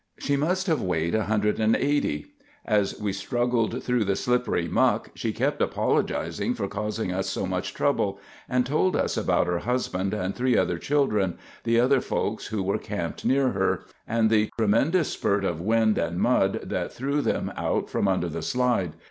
She must have weighed 180. As we struggled through the slippery muck she kept apologizing for causing us so much trouble, and told us about her husband and three other children, the other folks who were camped near her, and the tremendous spurt of wind and mud that threw them out from under the slide.